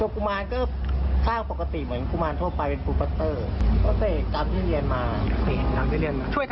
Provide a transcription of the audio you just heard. เขาก็สายของดินขึ้นมาเป็นความเชื่อ